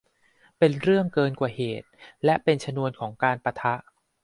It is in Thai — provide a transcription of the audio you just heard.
เป็นเรื่องเกินกว่าเหตุ และเป็นชนวนของการปะทะ